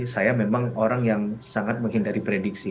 saya memang orang yang sangat menghindari prediksi